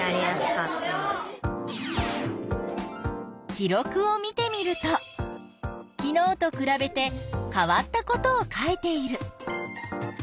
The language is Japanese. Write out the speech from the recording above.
記録を見てみると昨日とくらべて変わったことを書いている。